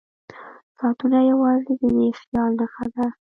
ساعتونه یوازې د دې خیال نښه ده.